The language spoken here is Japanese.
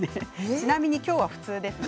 ちなみに今日は普通ですね。